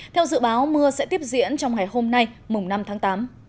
theo dự báo mưa sẽ tiếp diễn trong ngày hôm nay mùng năm tháng tám